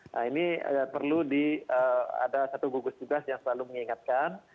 nah ini perlu di ada satu gugus tugas yang selalu mengingatkan